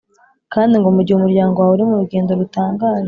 kandi ngo mu gihe umuryango wawe uri mu rugendo rutangaje,